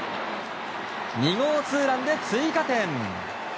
２号ツーランで追加点。